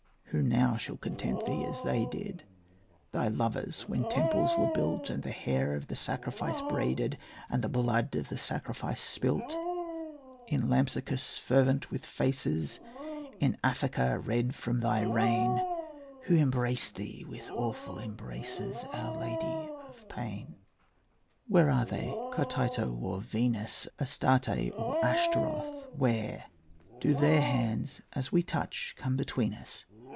Who now shall content thee as they did, Thy lovers, when temples were built And the hair of the sacrifice braided And the blood of the sacrifice spilt, In Lampsacus fervent with faces, In Aphaca red from thy reign, Who embraced thee with awful embraces, Our Lady of Pain? Where are they, Cotytto or Venus, Astarte or Ashtaroth, where? Do their hands as we touch come between us?